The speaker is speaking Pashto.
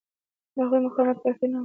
د هغوی مقاومت کافي نه و.